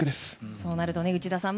そうなると内田さん